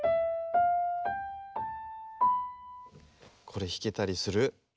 これひけたりする？